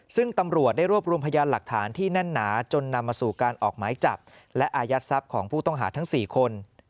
ซึ่งตำรวจได้รวบรวมพยานหลักฐานที่แน่นหนาจนนำมาสู่การออกหมายจับและอายัดทรัพย์ของผู้ต้องหาทั้ง๔คน